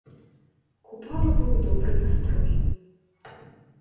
Купала быў у добрым настроі.